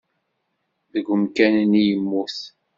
Deg umkan-nni i yemmut.